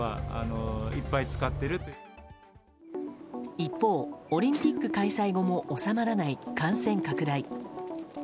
一方、オリンピック開催後も収まらない感染拡大。